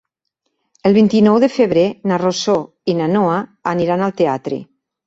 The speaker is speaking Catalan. El vint-i-nou de febrer na Rosó i na Noa aniran al teatre.